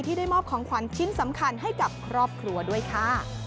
ได้มอบของขวัญชิ้นสำคัญให้กับครอบครัวด้วยค่ะ